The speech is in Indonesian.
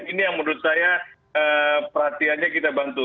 ini yang menurut saya perhatiannya kita bantu